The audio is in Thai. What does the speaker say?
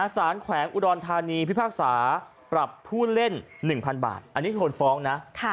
แขวงอุดรธานีพิพากษาปรับผู้เล่น๑๐๐๐บาทอันนี้โดนฟ้องนะ